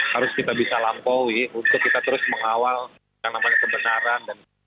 harus kita bisa lampaui untuk kita terus mengawal yang namanya kebenaran dan